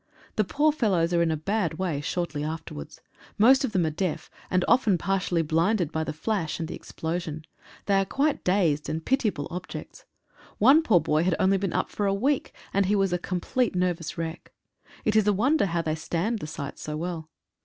The poor fellows are in a bad way shortly afterwards. Most of them are deaf, and often partially blinded by the flash and the explosion. They are quite dazed, and pitiable objects. One poor boy had only been up for a week, and he was a complete nervous wreck. It is a wonder how they stand the sights so well.